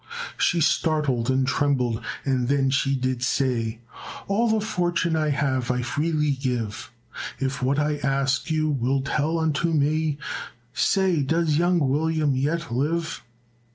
She startled and trembled and then she did say, "All the fortune I have I freely give If what I ask you will tell unto me, Say, does young William yet live?"